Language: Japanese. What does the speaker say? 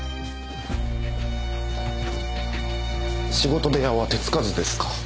仕事部屋は手つかずですか。